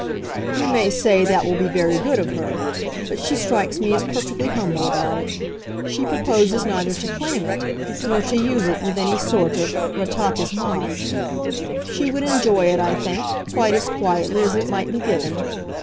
You may say that will be very good of her, but she strikes me as perfectly humble about it. She proposes neither to claim it nor to use it with any sort of retentissement. She would enjoy it, I think, quite as quietly as it might be given.